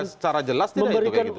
secara jelas tidak itu